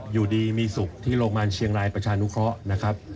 อยู่ดีมีสุขที่โรงพยาบาลเชียงรายประชานุเคราะห์นะครับ